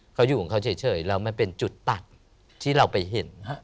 เขาอยู่ของเขาเฉยแล้วมันเป็นจุดตัดที่เราไปเห็น